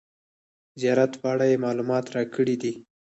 زیارت په اړه یې معلومات راکړي دي.